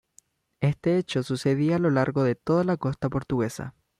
Este hecho sucedía a lo largo de toda la costa portuguesa.